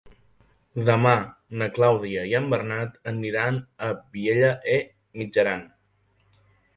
Demà na Clàudia i en Bernat iran a Vielha e Mijaran.